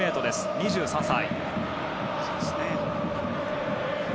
２３歳。